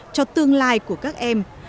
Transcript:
cho tương lai của các em